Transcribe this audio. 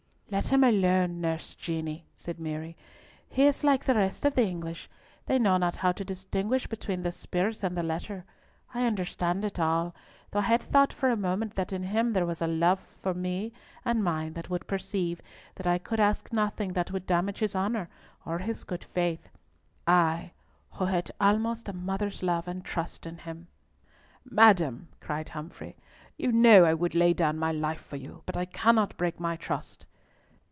"Let him alone, Nurse Jeanie!" said Mary. "He is like the rest of the English. They know not how to distinguish between the spirit and the letter! I understand it all, though I had thought for a moment that in him there was a love for me and mine that would perceive that I could ask nothing that could damage his honour or his good faith. I—who had almost a mother's love and trust in him." "Madam," cried Humfrey, "you know I would lay down my life for you, but I cannot break my trust."